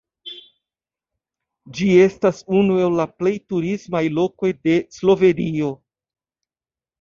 Ĝi estas unu el la plej turismaj lokoj de Slovenio.